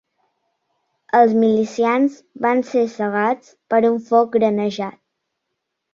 Els milicians van ser segats per un foc granejat